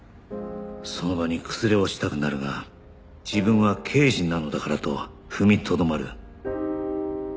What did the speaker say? その場に崩れ落ちたくなるが自分は刑事なのだからと踏みとどまる